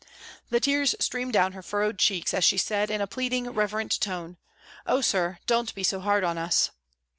The tears streamed down her furrowed cheeks as she said in a pleading, reverent voice, " Oh, sir, don't be so hard pn us